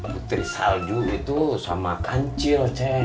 putri salju gitu sama kancil